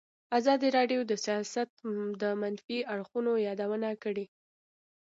ازادي راډیو د سیاست د منفي اړخونو یادونه کړې.